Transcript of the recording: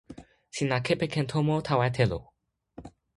sina kepeken tomo tawa telo.